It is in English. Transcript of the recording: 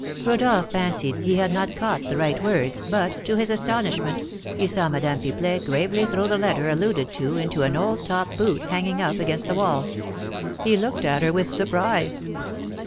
Rodolph fancied he had not caught the right words, but, to his astonishment, he saw Madame Pipelet gravely throw the letter alluded to into an old top boot hanging up against the wall. He looked at her with surprise.